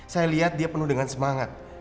saya lihat dia penuh dengan semangat